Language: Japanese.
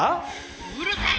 うるさい！